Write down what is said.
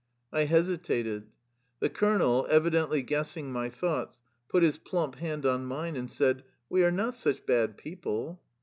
I hesitated. The colonel, evidently guessing my thoughts, put his plump hand on mine and said :^' We are not such bad people."